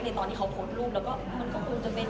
ในตอนที่เขาพลลูกแล้วก็มันก็กลงจะเป็น